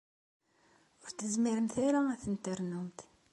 Ur tezmiremt ara ad ten-ternumt.